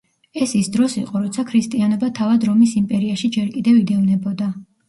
ეს ის დროს იყო, როცა ქრისტიანობა თავად რომის იმპერიაში ჯერ კიდევ იდევნებოდა.